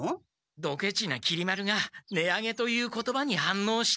ドケチなきり丸が値上げという言葉にはんのうして。